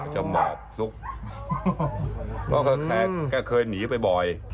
จะหมอบซุกก็แค่ขยับหนีไปบ่อย